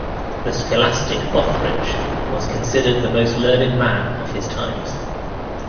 The scholastic Othrich was considered the most learned man of his times.